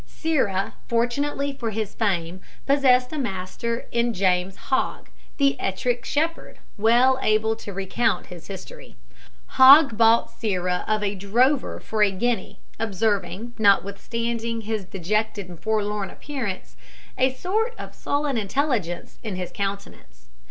Sirrah, fortunately for his fame, possessed a master in James Hogg, the Ettrick Shepherd, well able to recount his history. Hogg bought Sirrah of a drover for a guinea, observing, notwithstanding his dejected and forlorn appearance, a sort of sullen intelligence in his countenance.